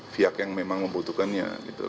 fiat yang memang membutuhkannya